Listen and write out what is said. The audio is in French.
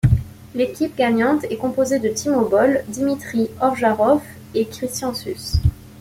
L'équipe gagnante est composée de Timo Boll, Dimitrij Ovtcharov et Christian Süss.